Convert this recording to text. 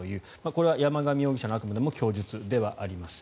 これは山上容疑者のあくまでも供述ではあります。